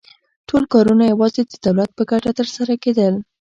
ټول کارونه یوازې د دولت په ګټه ترسره کېدل